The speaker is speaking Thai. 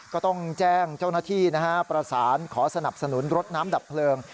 ก็ต้องแจ้งเจ้าหน้าที่นะฮะประสานขอสนับสนุนรถน้ำดับเพลิง